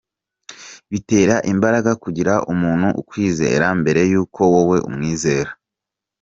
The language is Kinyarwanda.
Bitera imbaraga kugira umuntu ukwizera mbere yuko wowe umwizera.